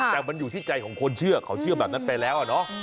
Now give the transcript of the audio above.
แต่มันอยู่ที่ใจของคนเชื่อเขาเชื่อแบบนั้นไปแล้วอะเนาะ